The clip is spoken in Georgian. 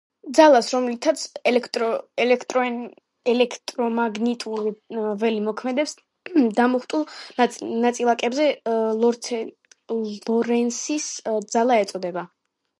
ძალას, რომლითაც ელექტრომაგნიტური ველი მოქმედებს დამუხტულ ნაწილაკზე ლორენცის ძალა ეწოდება.